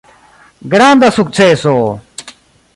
Granda sukceso!